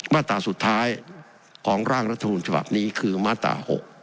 มาตราสุดท้ายของร่างรัฐมนุนฉบับนี้คือมาตรา๖